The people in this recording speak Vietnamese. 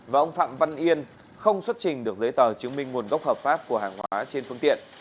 và ông phạm văn yên không xuất trình được giấy tờ chứng minh nguồn gốc hợp pháp của hàng hóa trên phương tiện